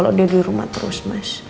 kasian lah kalau dia di rumah terus mas